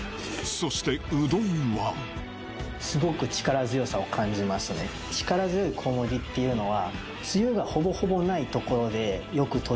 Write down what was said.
そしてうどんは力強い小麦っていうのは。